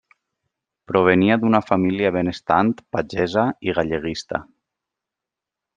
Provenia d'una família benestant pagesa i galleguista.